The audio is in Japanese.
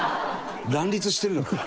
乱立してるのかよ。